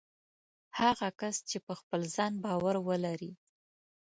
هغه کس چې په خپل ځان باور ولري